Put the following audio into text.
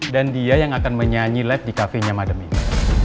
dan dia yang akan menyanyi live di kafenya madam ini